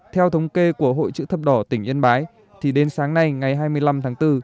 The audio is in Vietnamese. theo thống kê của hội chữ thập đỏ tỉnh yên bái thì đến sáng nay ngày hai mươi năm tháng bốn